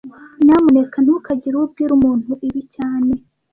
Nyamuneka ntukagire uwo ubwira umuntu ibi cyane